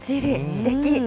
すてき。